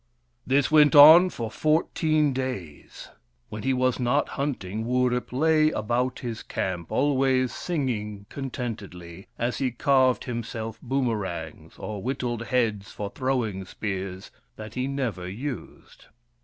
This went on for fourteen days. When he was not hunting, Wurip lay about his camp, always singing contentedly as he carved himself boomerangs or whittled heads for throwing spears that he never used.